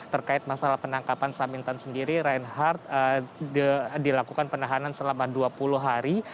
terkait masalah penangkapan samintan sendiri reinhardt dilakukan penahanan selama dua puluh hari